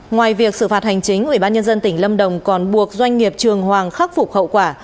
ngoài việc xử phạt hành chính ủy ban nhân dân tỉnh lâm đồng còn buộc doanh nghiệp trường hoàng khắc phục hậu quả